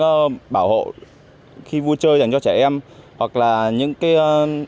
hoặc là những bảo hộ khi vui chơi dành cho trẻ em hoặc là những bảo hộ khi vui chơi dành cho trẻ em